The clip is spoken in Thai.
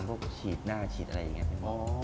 ฉีดหน้าฉีดอะไรอย่างนี้